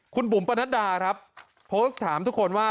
คุณบุ๋มปนัดดาครับโพสต์ถามทุกคนว่า